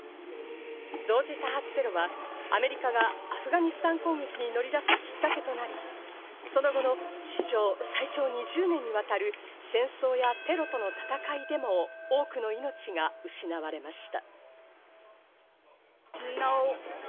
同時多発テロは、アメリカがアフガニスタン攻撃に乗り出すきっかけとなり、その後の史上最長２０年にわたる戦争やテロとの戦いでも多くの命が失われました。